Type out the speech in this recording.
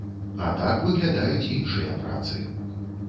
А так выглядаюць іншыя працы.